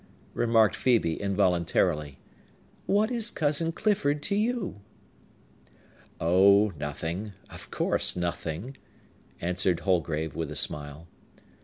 remarked Phœbe involuntarily. "What is Cousin Clifford to you?" "Oh, nothing,—of course, nothing!" answered Holgrave with a smile.